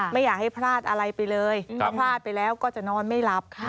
ไม่อยากให้พลาดอะไรไปเลยถ้าพลาดไปแล้วก็จะนอนไม่หลับค่ะ